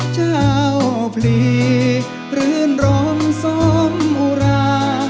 เจ้าพลีรื่นรมสมอุรา